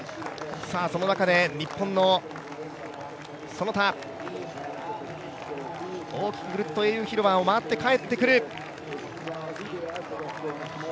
その中で日本の其田、大きくぐるっと英雄広場を回って帰ってくる。